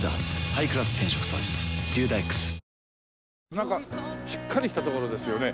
なんかしっかりした所ですよね。